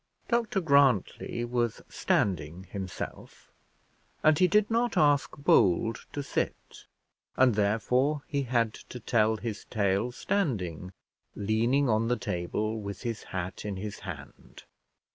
Dr Grantly was standing himself, and he did not ask Bold to sit, and therefore he had to tell his tale standing, leaning on the table, with his hat in his hand.